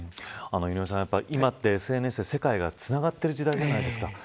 井上さん、今ってＳＮＳ世界がつながってる時代じゃないですか。